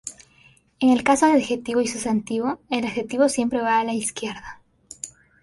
En el caso de adjetivo y sustantivo, el adjetivo siempre va a la izquierda.